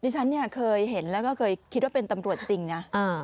ฉันเนี่ยเคยเห็นแล้วก็เคยคิดว่าเป็นตำรวจจริงนะ